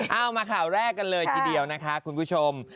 เอามาข่าวแรกกันเลยทีเดียวนะคะคุณผู้ชม